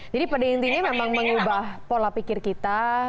jadi pada intinya memang mengubah pola pikir kita